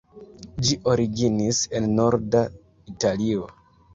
Ĝi originis en norda Italio.